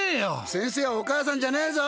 先生はお母さんじゃねえぞ！